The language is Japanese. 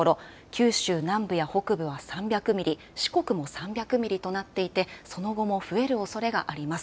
九州南部や北部は３００ミリ、四国も３００ミリとなっていてその後も増えるおそれがありあります。